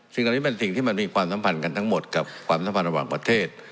ซึ่งอันนี้เป็นสิ่งที่มันมีความสัมพันธ์กันทั้งหมดกับความสัมพันธ์ระหว่างประเทศ